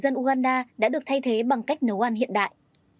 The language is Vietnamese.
đối với nhiều người dân uganda đã được thay thế bằng cách nấu ăn hiện đại